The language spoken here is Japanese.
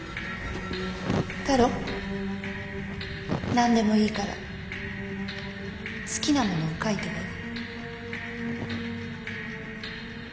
何でもいいから好きなものを描いてごらん。